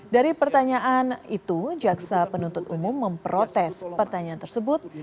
dari pertanyaan itu jaksa penuntut umum memprotes pertanyaan tersebut